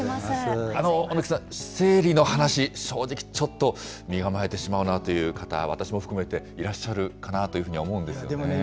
小貫さん、生理の話、正直、ちょっと身構えてしまうなという方、私も含めていらっしゃるかなというふうに思うんですけれどもね。